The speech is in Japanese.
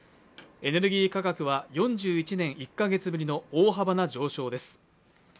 エネルギー価格は４１年１カ月ぶりの大幅な上昇です。